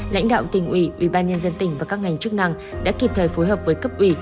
lãnh đạo tỉnh ủy ubnd tỉnh và các ngành chức năng đã kịp thời phối hợp với cấp ủy